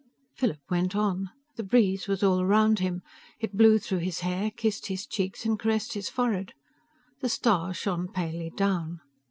Philip went on. The breeze was all around him. It blew through his hair, kissed his cheeks and caressed his forehead. The stars shone palely down.